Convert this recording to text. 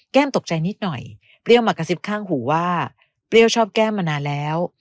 ตกใจนิดหน่อยเปรี้ยวมากระซิบข้างหูว่าเปรี้ยวชอบแก้มมานานแล้ว